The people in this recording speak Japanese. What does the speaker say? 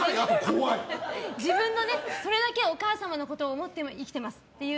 それだけお母様のことを思って生きてますっていう。